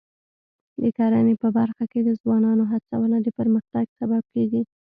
د کرنې په برخه کې د ځوانانو هڅونه د پرمختګ سبب کېږي.